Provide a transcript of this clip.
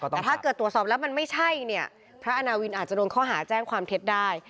แต่ถ้าเกิดตรวจสอบแล้วมันไม่ใช่เนี่ยพระอาณาวินอาจจะโดนข้อหาแจ้งความเท็จได้